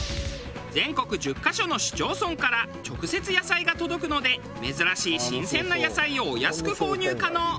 全国１０カ所の市町村から直接野菜が届くので珍しい新鮮な野菜をお安く購入可能。